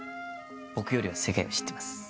僕よりは世界を知ってます。